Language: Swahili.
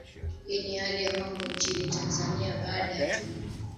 hii ni hali ya mambo nchini tanzania baada tu